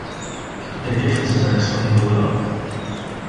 Their differences are explained below.